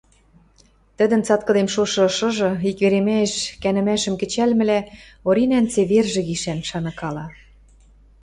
Тӹдӹн цаткыдем шошы ышыжы, ик веремӓэш кӓнӹмӓшӹм кӹчӓлмӹлӓ, Оринӓн цевержӹ гишӓн шаныкала.